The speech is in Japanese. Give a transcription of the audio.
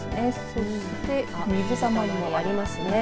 そして水たまりもありますね。